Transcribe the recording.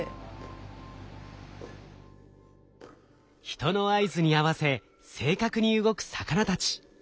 人の合図に合わせ正確に動く魚たち。